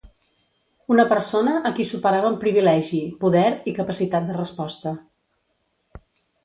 Una persona a qui superava en privilegi, poder i capacitat de resposta.